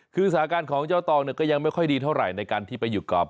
คือสถานการณ์ของเจ้าตองก็ยังไม่ค่อยดีเท่าไหร่ในการที่ไปอยู่กับ